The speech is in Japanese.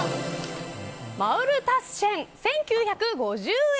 マウルタッシェン、１９５０円。